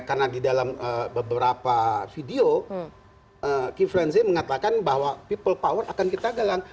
karena di dalam beberapa video kiflan zain mengatakan bahwa people power akan kita galang